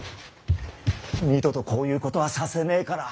二度とこういうことはさせねえから。